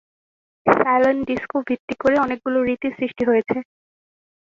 Silent disco ভিত্তি করে অনেক গুলো রীতি সৃষ্টি হয়েছে।